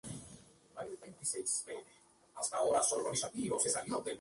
Hijo de padre ecuatoriano y madre alemana.